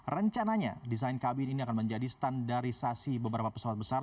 rencananya desain kabin ini akan menjadi standarisasi beberapa pesawat besar